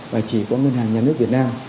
và chỉ có ngân hàng nhà nước việt nam